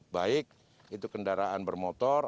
baik itu kendaraan bermotor